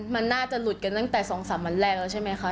มันน่าจะหลุดกันตั้งแต่๒๓วันแรกแล้วใช่ไหมคะ